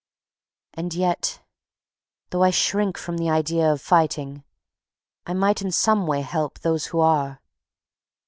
And yet, though I shrink from the idea of fighting, I might in some way help those who are.